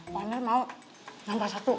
pak amir mau ngambar satu